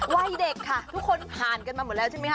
วัยเด็กค่ะทุกคนผ่านกันมาหมดแล้วใช่ไหมค